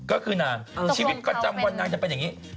ก็คือนางชีวิตประจำวันนางจะเป็นอย่างนี้